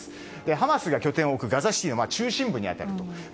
ハマスが拠点を置くガザシティーの中心部に当たると。